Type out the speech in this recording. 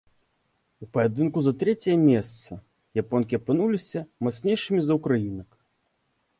У паядынку за трэцяе месца японкі апынуліся мацнейшымі за ўкраінак.